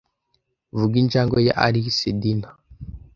Vuga injangwe ya Alice Dina